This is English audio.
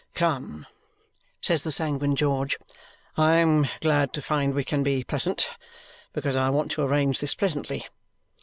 "Come!" says the sanguine George. "I am glad to find we can be pleasant, because I want to arrange this pleasantly.